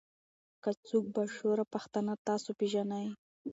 کۀ څوک با شعوره پښتانۀ تاسو پېژنئ